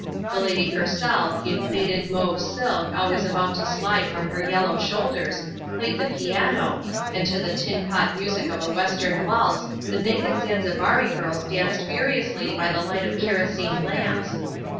The lady herself, in faded mauve silk always about to slide from her yellow shoulders, played the piano, and to the tin pot music of a Western waltz the naked Zanzibari girls danced furiously by the light of kerosene lamps.